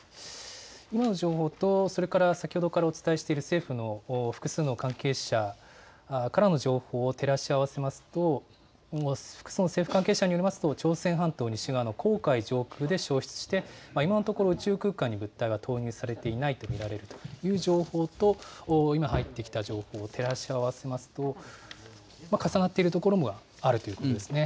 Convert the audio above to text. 今の情報と、それから先ほどからお伝えしている政府の複数の関係者からの情報を照らし合わせますと、政府関係者によりますと、朝鮮半島西側の黄海上空で消失して、今のところ、宇宙空間に物体は投入されていないと見られるという情報と、今入ってきた情報を照らし合わせますと、重なっているところがあるということですね。